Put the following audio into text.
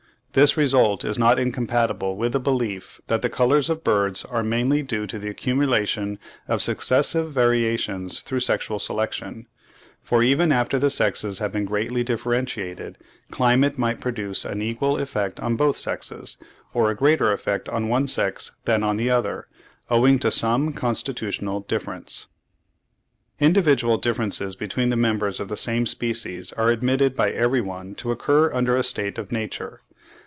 This result is not incompatible with the belief that the colours of birds are mainly due to the accumulation of successive variations through sexual selection; for even after the sexes have been greatly differentiated, climate might produce an equal effect on both sexes, or a greater effect on one sex than on the other, owing to some constitutional difference. Individual differences between the members of the same species are admitted by every one to occur under a state of nature.